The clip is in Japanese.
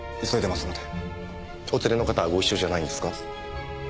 お連れの方はご一緒じゃないんですか？